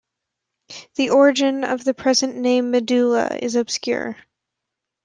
The origin of the present name Medulla is obscure.